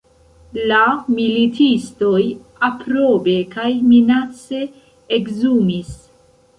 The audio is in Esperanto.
La militistoj aprobe kaj minace ekzumis.